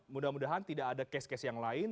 mudah mudahan tidak ada kes kes yang lain